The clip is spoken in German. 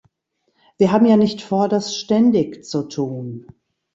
Wir haben ja nicht vor, das ständig zu tun.